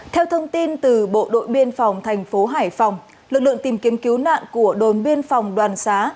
theo thông tin từ bộ đội biên phòng thành phố hải phòng lực lượng tìm kiếm cứu nạn của đồn biên phòng đoàn xá